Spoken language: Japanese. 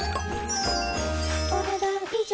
お、ねだん以上。